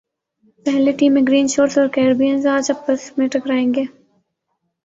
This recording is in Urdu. پہلے ٹی میں گرین شرٹس اور کیربیئنز اج پس میں ٹکرائیں گے